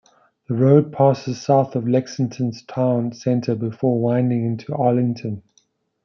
The road passes south of Lexington's town center before winding into Arlington.